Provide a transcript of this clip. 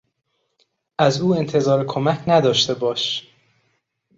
از او انتظار کمک نداشته باش!